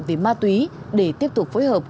về ma túy để tiếp tục phối hợp